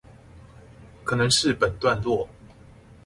可能是本段落